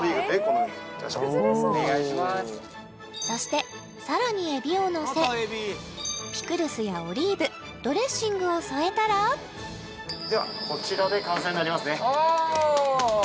そしてさらにえびをのせピクルスやオリーブドレッシングを添えたらではこちらで完成になりますね・